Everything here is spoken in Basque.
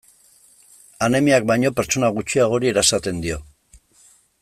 Anemiak baino pertsona gutxiagori erasaten dio.